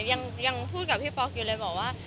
ยังพูดกับพี่ป๊อกอยู่เลยบอกว่า